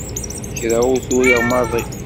Kra ur t-uriɣ maḍi.